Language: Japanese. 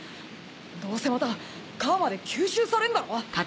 どうせまた楔で吸収されんだろう？